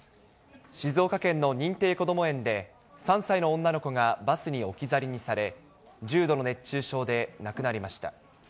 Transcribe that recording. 静岡県の認定こども園で、３歳の女の子がバスに置き去りにされ、重度の熱中症で亡くなりました。